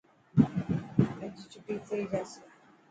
اڄ چوٽي ٿي جاسي.